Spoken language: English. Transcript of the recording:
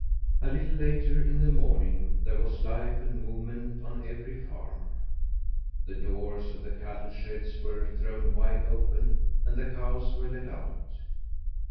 A little later in the morning there was life and movement on every farm. The doors of the cattle sheds were thrown wide open and the cows were let out.